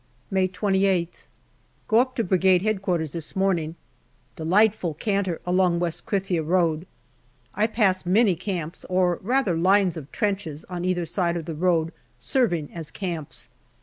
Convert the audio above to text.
May 2Sth. Go up to Brigade H.Q. this morning. Delightful canter along West Krithia road. I pass many camps, or rather lines of trenches on either side of the road serving as camps.